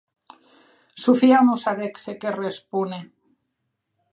Sofia non sabec se qué respóner.